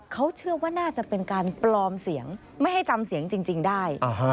เขาเชื่อว่าน่าจะเป็นการปลอมเสียงไม่ให้จำเสียงจริงได้